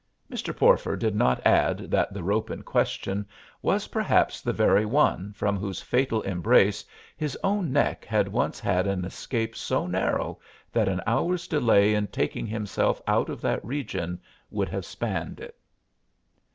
Mr. Porfer did not add that the rope in question was perhaps the very one from whose fatal embrace his own neck had once had an escape so narrow that an hour's delay in taking himself out of that region would have spanned it.